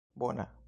bona